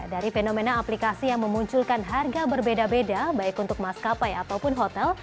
dari fenomena aplikasi yang memunculkan harga berbeda beda baik untuk maskapai ataupun hotel